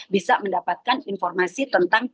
bisa mendapatkan informasi tentang